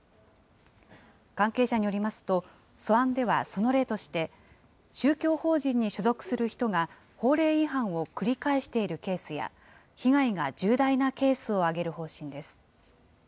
関係者によりますと、素案ではその例として、宗教法人に所属する人が法令違反を繰り返しているケースや、被害が重大なケースを挙げる方針です。